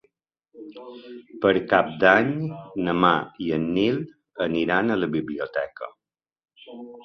Per Cap d'Any na Mar i en Nil aniran a la biblioteca.